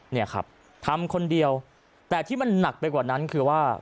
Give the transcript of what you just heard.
เนี่ยครับทำคนเดียวแต่ที่มันหนักไปกว่านั้นคือว่า